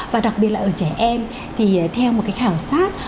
và đặc biệt là ở trẻ em thì theo một cái khảo sát